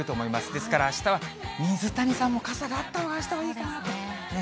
ですからあしたは、水谷さんも傘があったほうがあしたはいいかなと。